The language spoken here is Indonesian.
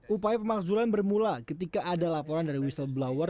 upaya pemakzulan bermula ketika ada laporan dari whistleblower